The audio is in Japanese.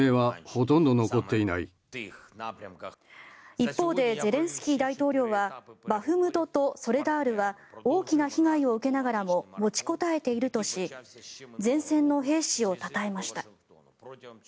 一方でゼレンスキー大統領はバフムトとソレダールは大きな被害を受けながらも持ちこたえているとし前線の兵士をたたえました。